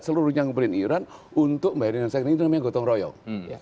seluruhnya ngumpulin iuran untuk membayar iuran yang sakit ini namanya gotong royong